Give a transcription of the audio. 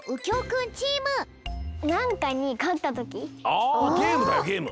あゲームだよゲーム！